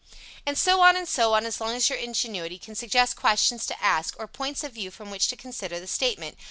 And so on and so on, as long as your ingenuity can suggest questions to ask, or points of view from which to consider the statement.